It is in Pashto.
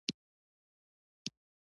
دوی په نانو ټیکنالوژۍ کې مخکې دي.